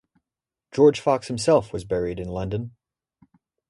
George Fox himself was buried in London.